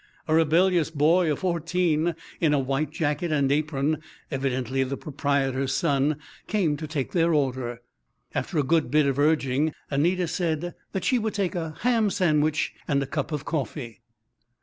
A rebellious boy of fourteen, in a white jacket and apron, evidently the proprietor's son, came to take their order. After a good bit of urging Anita said that she would take a ham sandwich and a cup of coffee.